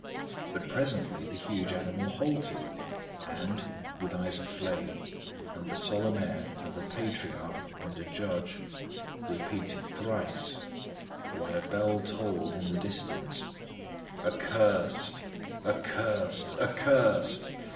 But presently the huge animal halted, and, with eyes aflame and the solemn air of a patriarch and a judge, repeated thrice, while a bell tolled in the distance: "Accursed! Accursed! Accursed!